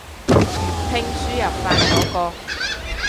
粵拼輸入法嗰個